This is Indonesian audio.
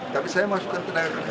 tapi saya masukkan tenaga